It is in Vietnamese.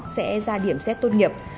sẽ ra điểm xét tốt nghiệp